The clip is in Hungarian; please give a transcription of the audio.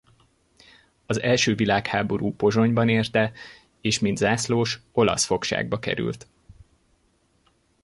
Az első világháború Pozsonyban érte és mint zászlós olasz fogságba került.